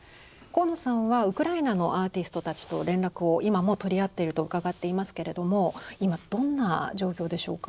鴻野さんはウクライナのアーティストたちと連絡を今も取り合っていると伺っていますけれども今どんな状況でしょうか？